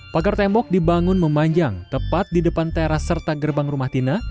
pagar tembok dibangun memanjang tepat di depan teras serta gerbang rumah tina